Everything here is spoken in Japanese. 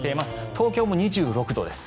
東京も２６度です。